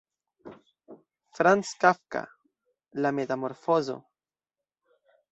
Franz Kafka: La metamorfozo.